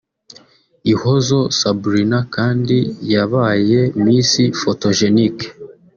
Ihozo Sabrina kandi yabaye Miss Photogenic